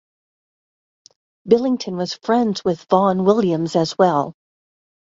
Billington was friends with Vaughan Williams as well.